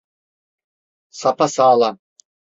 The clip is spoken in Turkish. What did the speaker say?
Sapasağlam.